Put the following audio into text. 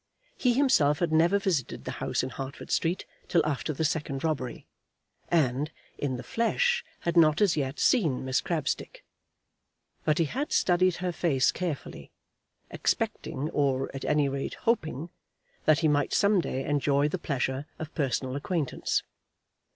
He himself had never visited the house in Hertford Street till after the second robbery, and, in the flesh, had not as yet seen Miss Crabstick; but he had studied her face carefully, expecting, or, at any rate, hoping, that he might some day enjoy the pleasure of personal acquaintance.